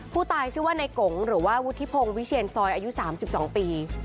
ผู้ตายชื่อว่าในกงหรือว่าวุฒิพงศ์วิเชียนซอยอายุ๓๒ปี